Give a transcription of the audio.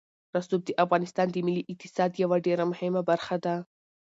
رسوب د افغانستان د ملي اقتصاد یوه ډېره مهمه برخه ده.